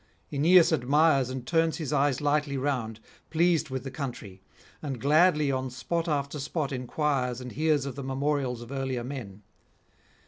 Aeneas admires and turns his eyes lightly round about, pleased with the country; and gladly on spot after spot inquires and hears of the memorials of earlier men.